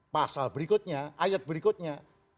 pasal berikutnya ayat berikutnya